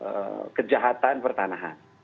mengeliminir kejahatan pertanahan